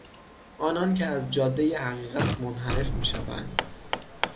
آنانکه از جادهی حقیقت منحرف میشوند